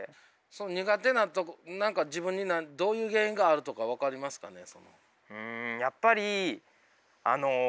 その苦手なとこ自分にどういう原因があるとか分かりますかね？